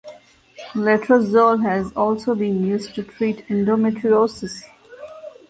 Letrozole has also been used to treat endometriosis.